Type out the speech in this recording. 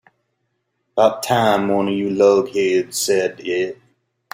About time one of you lunkheads said it.